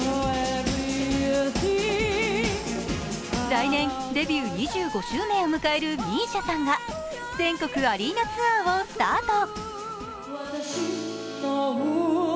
来年デビュー２５周年を迎えるＭＩＳＩＡさんが全国アリーナツアーをスタート。